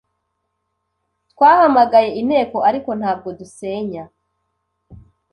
Twahamagaye Inteko ariko ntabwo dusenya